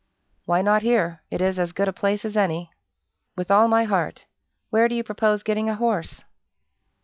"Why not here? it is as good a place as any." "With all my heart. Where do you propose getting a horse?"